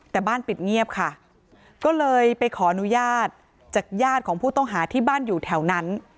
แต่บ้านปิดเงียบค่ะก็เลยไปขออนุญาตจากญาติของผู้ต้องหาที่บ้านอยู่แถวนั้น